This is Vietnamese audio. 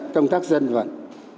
công tác dân vận